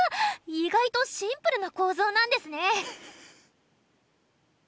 意外とシンプルな構造なんですね。